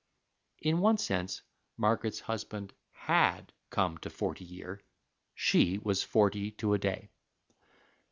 In one sense Margaret's husband had come to forty year she was forty to a day.